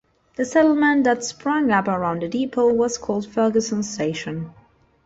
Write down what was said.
The settlement that sprang up around the depot was called Ferguson Station.